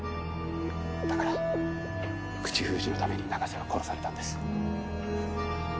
だから口封じのために中瀬は殺されたんです。